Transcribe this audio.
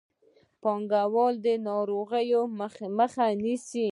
پاکوالی د ناروغیو مخه نیسي